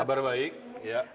kabar baik iya